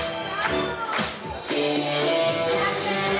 tinggal sebut aja sama luar